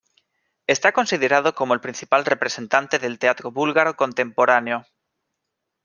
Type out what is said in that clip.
Está considerado como el principal representante del teatro búlgaro contemporáneo.